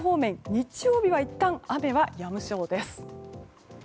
日曜日はいったん雨はやみそうです。